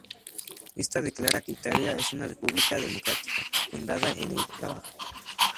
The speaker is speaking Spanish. Esta declara que Italia es una República "democrática" fundada en el "trabajo".